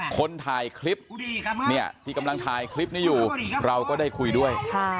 คนถ่ายคลิปเนี่ยที่กำลังถ่ายคลิปนี้อยู่เราก็ได้คุยด้วย